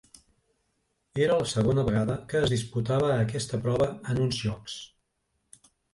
Era la segona vegada que es disputava aquesta prova en uns Jocs.